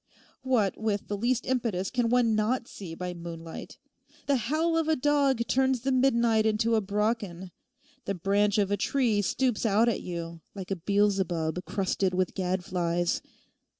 What, with the least impetus, can one not see by moonlight? The howl of a dog turns the midnight into a Brocken; the branch of a tree stoops out at you like a Beelzebub crusted with gadflies.